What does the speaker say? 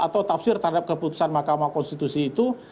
atau tafsir terhadap keputusan mahkamah konstitusi itu